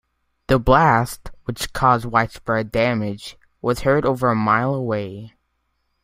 The blast, which caused widespread damage, was heard over a mile away.